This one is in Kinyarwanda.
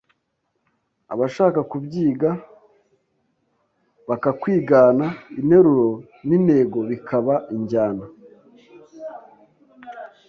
Abashaka kubyiga bakakwigana Interuro n'intego bikaba injyana